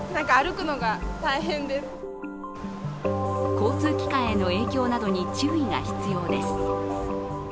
交通機関への影響などに注意が必要です。